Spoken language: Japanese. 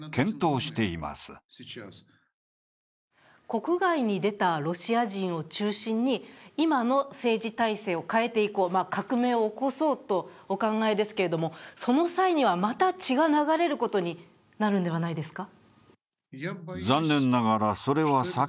国外に出たロシア人を中心に、今の政治体制を変えていこう、革命を起こそうとお考えですけれども、その際には、また血が流れることになるんではないですか？